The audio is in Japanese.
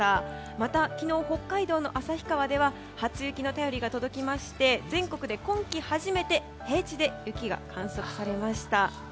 また昨日北海道の旭川では初雪の便りが届きまして全国で今季初めて平地で雪が観測されました。